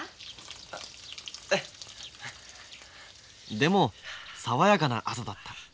でも爽やかな朝だった。